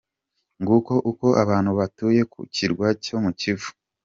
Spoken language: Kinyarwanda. Ng’uko uko abantu batuye ku kirwa cyo mu Kivu.